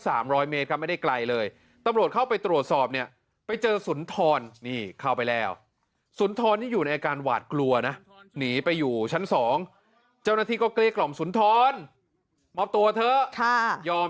แล้วไม่ได้ไกลเลยตำรวจเข้าไปตรวจสอบเนี่ยไปเจอสุนทรอน